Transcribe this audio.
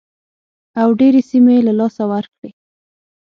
او ډېرې سیمې یې له لاسه ورکړې.